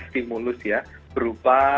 stimulus ya berupa